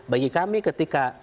bagi kami ketika